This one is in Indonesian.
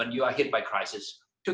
anda terkena krisis